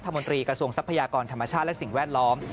มนตรีกระทรวงทรัพยากรธรรมชาติและสิ่งแวดล้อม